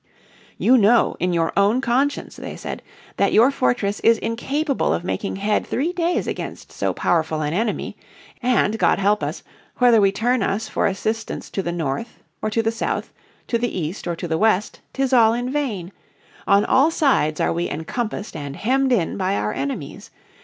"You know, in your own conscience," they said, "that your fortress is incapable of making head three days against so powerful an enemy. And (God help us) whether we turn us for assistance to the north, or to the south, to the east or to the west 'tis all in vain! On all sides are we encompassed and hemmed in by our enemies.